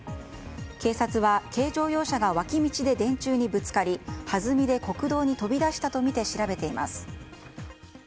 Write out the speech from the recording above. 警察は軽乗用車が脇道で電柱にぶつかり弾みで国道に飛び出したとみて調べています。